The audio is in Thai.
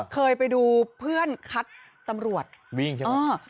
เคยไปดูเพื่อนคัดตำรวจวิ่งใช่ไหม